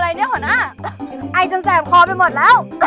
ไอจนแสบคอไปหมดแล้ว